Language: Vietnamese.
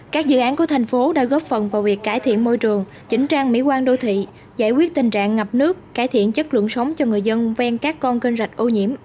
các dự án của thành phố đã góp phần vào việc cải thiện môi trường chỉnh trang mỹ quan đô thị giải quyết tình trạng ngập nước cải thiện chất lượng sống cho người dân ven các con kênh rạch ô nhiễm